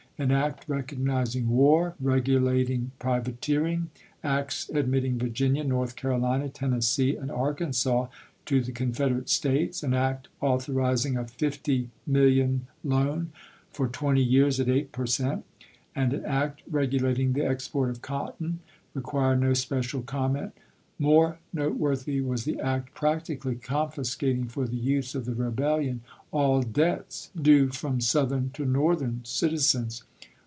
An act recognizing war and regulating privateering ; acts admitting Virginia, North Caro lina, Tennessee, and Arkansas to the " Confederate States "; an act authorizing a fifty million loan, for twenty years, at eight per cent. ; and an act regu lating the export of cotton, require no special com ment. More noteworthy was the act practically con ilf^^l fiscating for the use of the rebellion aU debts due ^^^irT^ from Southern to Northern citizens.